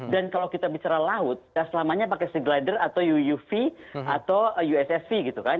dan kalau kita bicara laut selamanya pakai sea glider atau uuv atau usfv gitu kan